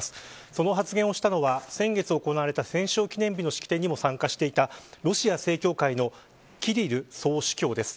その発言をしたのは、先月行われた戦勝記念日の式典にも参加していたロシア正教会のキリル総主教です。